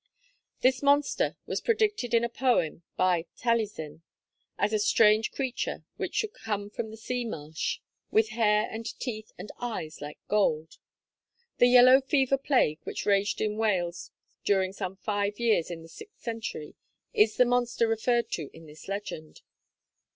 This monster was predicted in a poem by Taliesin, as a 'strange creature' which should come from the sea marsh, with hair and teeth and eyes like gold. The yellow fever plague, which raged in Wales during some five years in the sixth century, is the monster referred to in this legend.